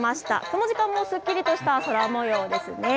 この時間もすっきりとした空もようですね。